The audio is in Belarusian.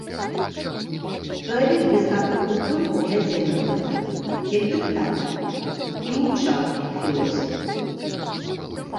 Чалавек без знакаў прыпынку глядзеў на гэта, як дыктатар, і маўчаў, як філосаф.